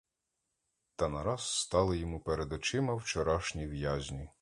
Та нараз стали йому перед очима вчорашні в'язні.